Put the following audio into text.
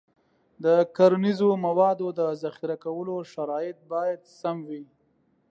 د کرنیزو موادو د ذخیره کولو شرایط باید سم وي.